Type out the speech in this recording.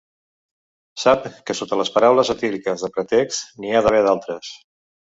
Sap que sota les paraules etíliques de pretext n'hi ha d'haver d'altres.